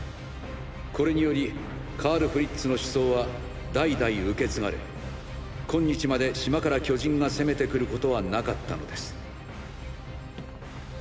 これによりカール・フリッツの思想は代々受け継がれ今日まで島から巨人が攻めてくることはなかったのです。